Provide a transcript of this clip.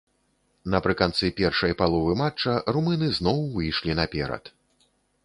Напрыканцы першай паловы матча румыны зноў выйшлі наперад.